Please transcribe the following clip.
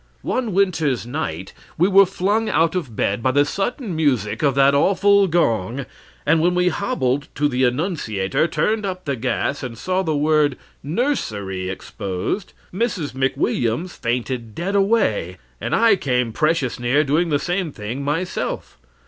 One winter's night we were flung out of bed by the sudden music of that awful gong, and when we hobbled to the annunciator, turned up the gas, and saw the word 'Nursery' exposed, Mrs. McWilliams fainted dead away, and I came precious near doing the same thing myself.